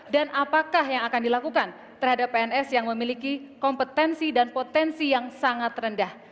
dan apakah yang akan dilakukan terhadap pns yang memiliki kompetensi dan potensi yang sangat rendah